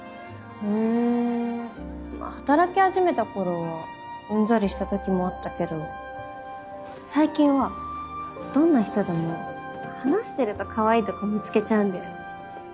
ん働き始めたころはうんざりしたときもあったけど最近はどんな人でも話してるとカワイイとこ見つけちゃうんだよね。